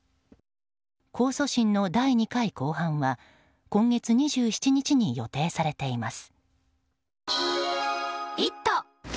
控訴審の第２回公判は今月２７日に予定されています。